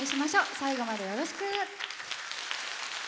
最後までよろしく！